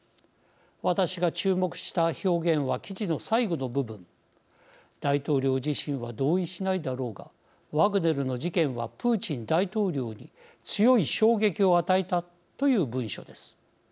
私が注目した表現は記事の最後の部分大統領自身は同意しないだろうがワグネルの事件はプーチン大統領に強い衝撃を与えたという文章です。